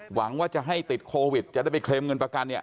หวังว่าจะให้ติดโควิดจะได้ไปเคลมเงินประกันเนี่ย